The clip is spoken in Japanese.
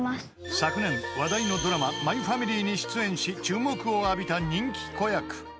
［昨年話題のドラマ『マイファミリー』に出演し注目を浴びた人気子役］